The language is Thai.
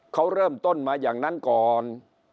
เขาเริ่มต้นมาอย่างนั้นก่อน